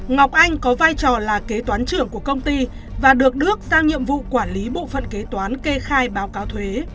ngọc anh có vai trò là kế toán trưởng của công ty và được đức giao nhiệm vụ quản lý bộ phận kế toán kê khai báo cáo thuế